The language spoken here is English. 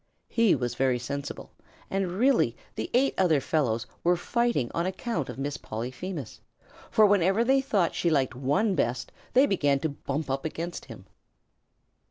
He was very sensible, and really the eight other fellows were fighting on account of Miss Polyphemus, for whenever they thought she liked one best they began to bump up against him.